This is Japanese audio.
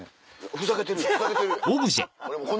ふざけてるやん。